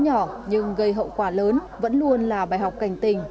nhỏ nhưng gây hậu quả lớn vẫn luôn là bài học cảnh tình